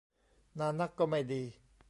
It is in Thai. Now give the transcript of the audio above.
นานนักก็ไม่ดี